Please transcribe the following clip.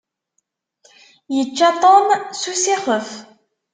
Yečča Tom s usixef.